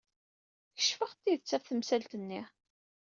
Kecfeɣ-d tidet ɣef temsalt-nni.